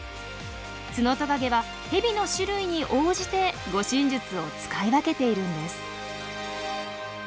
ツノトカゲはヘビの種類に応じて護身術を使い分けているんです。